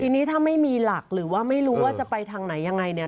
ทีนี้ถ้าไม่มีหลักหรือว่าไม่รู้ว่าจะไปทางไหนยังไงเนี่ย